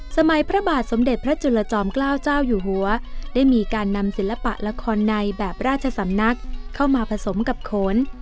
พระบาทสมเด็จพระจุลจอมเกล้าเจ้าอยู่หัวได้มีการนำศิลปะละครในแบบราชสำนักเข้ามาผสมกับโขน